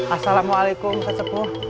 assalamualaikum kak cepuh